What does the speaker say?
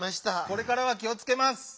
これからは気をつけます。